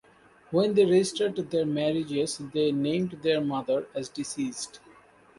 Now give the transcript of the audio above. When they registered their marriages they named their mother as deceased.